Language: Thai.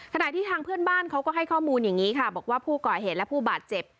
ทางที่ทางเพื่อนบ้านเขาก็ให้ข้อมูลอย่างนี้ค่ะบอกว่าผู้ก่อเหตุและผู้บาดเจ็บ